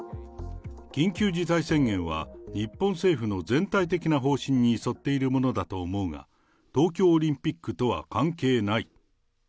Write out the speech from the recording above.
緊急事態宣言は、日本政府の全体的な方針に沿っているものだと思うが、東京オリンピックとは関係ない。